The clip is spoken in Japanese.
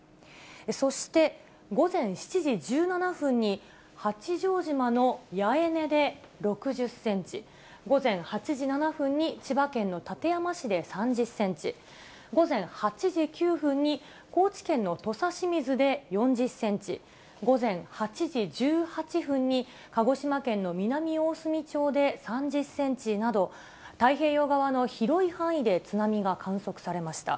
そして、午前７時１７分に八丈島の八重根で６０センチ、午前８時７分に千葉県の館山市で３０センチ、午前８時９分に高知県の土佐清水で４０センチ、午前８時１８分に鹿児島県の南大隅町で３０センチなど、太平洋側の広い範囲で津波が観測されました。